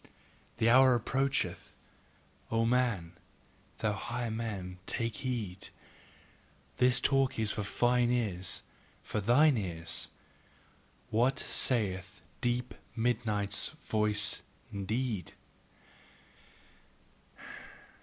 The hour approacheth: O man, thou higher man, take heed! this talk is for fine ears, for thine ears WHAT SAITH DEEP MIDNIGHT'S VOICE INDEED?